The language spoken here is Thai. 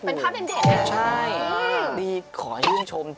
เอาเลย